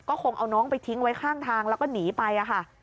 คงเอาน้องไปทิ้งไว้ข้างทางแล้วก็หนีไปค่ะ